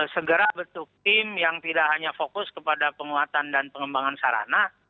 segera bentuk tim yang tidak hanya fokus kepada penguatan dan pengembangan sarana